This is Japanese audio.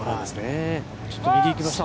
ちょっと右、行きました。